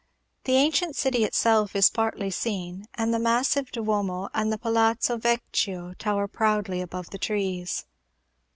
The ancient city itself is partly seen, and the massive Duomo and the Palazzo Vecchio tower proudly above the trees!